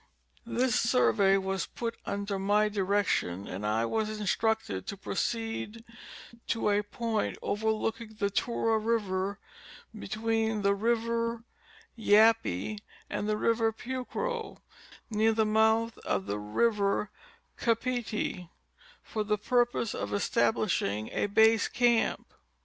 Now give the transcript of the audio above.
This survey was put under my direction and I was instructed to proceed to a point overlooking the Tuyra river, between the Rio Yape and the Rio Pucro, near the mouth of the Rio Capite, for the purpose of establishing a base camp.